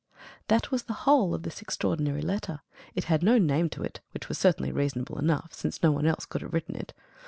That was the whole of this extraordinary letter; it had no name to it, which was certainly reasonable enough, since no one else could have written it.